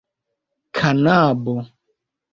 kanabo